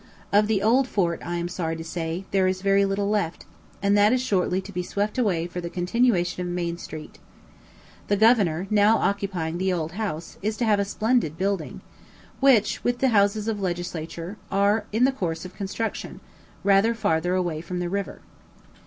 Of the old fort, I am sorry to say, there is very little left, and that is shortly to be swept away for the continuation of Main Street. The Governor, now occupying the old house, is to have a splendid building, which, with the Houses of Legislature, are in the course of construction, rather farther away from the river.